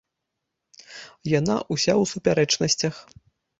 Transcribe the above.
Яна ўся ў супярэчнасцях.